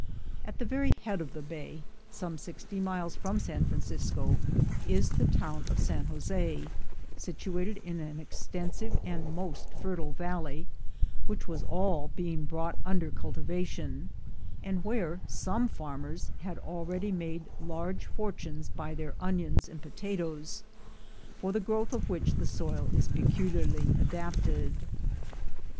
At the very head of the bay, some sixty miles from San Francisco, is the town of San Jose, situated in an extensive and most fertile valley, which was all being brought under cultivation, and where some farmers had already made large fortunes by their onions and potatoes, for the growth of which the soil is peculiarly adapted.